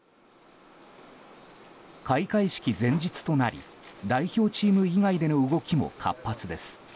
開会式前日となり代表チーム以外での動きも活発です。